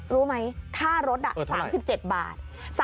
รู้ไหมค่ารถ๓๗บาท